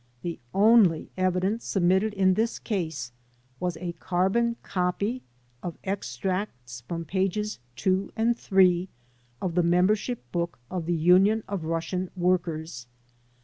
The only evidence submitted in this case was a carbon copy of extracts from pages 2 and 3 of the membership book of the Union of Russian Work ers.